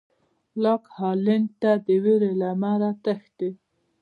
لاک هالېنډ ته د وېرې له امله تښتېد.